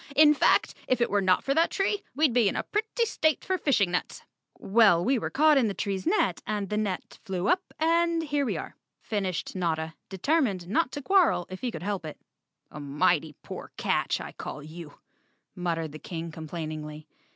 In fact, if it were not for that tree, we'd be in a pretty state for fishing nets." "Well, we were caught in the tree's net, the net flew up and here we are," finished Notta, determined not to quarrel if he could help it. "A mighty poor catch, I call you," muttered the King complainingly.